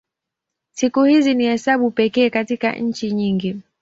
Siku hizi ni hesabu pekee katika nchi nyingi.